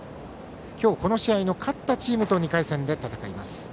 今日、この試合の勝ったチームと２回戦で戦います。